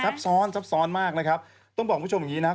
ซับซ้อนซับซ้อนมากนะครับต้องบอกคุณผู้ชมอย่างงี้นะครับ